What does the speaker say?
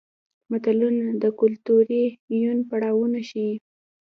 متلونه د کولتوري یون پړاوونه ښيي